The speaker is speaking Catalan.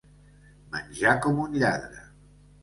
Menjar com un lladre.